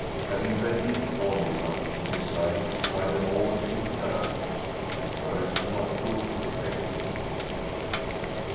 Having read each formula, she decided to try them all in turn, if the first did not prove effective.